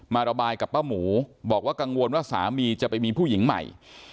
ระบายกับป้าหมูบอกว่ากังวลว่าสามีจะไปมีผู้หญิงใหม่